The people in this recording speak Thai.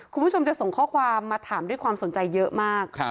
คุณผู้ชมจะส่งข้อความมาถามด้วยความสนใจเยอะมาก